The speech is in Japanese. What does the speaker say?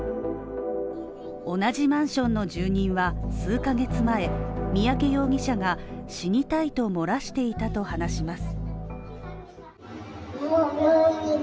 同じマンションの住人は数ヶ月前、三宅容疑者が死にたいと漏らしていたと話します。